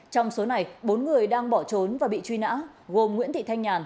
trong số này bốn người đang bỏ trốn và bị truy nã gồm nguyễn thị thanh nhàn